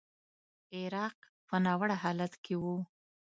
عراق په ناوړه حالت کې و.